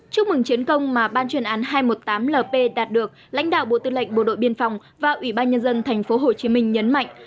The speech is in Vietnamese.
chúc mừng chiến công mà ban chuyên án hai trăm một mươi tám lp đạt được lãnh đạo bộ tư lệnh bộ đội biên phòng và ủy ban nhân dân tp hcm nhấn mạnh